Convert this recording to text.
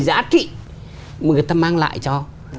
giá trị mà người ta mang lại cho